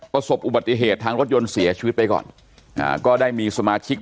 ประสบอุบัติเหตุทางรถยนต์เสียชีวิตไปก่อนอ่าก็ได้มีสมาชิก